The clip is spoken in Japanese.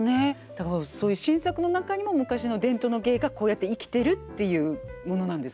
だからそういう新作の中にも昔の伝統の芸がこうやって生きてるっていうものなんですねこれね。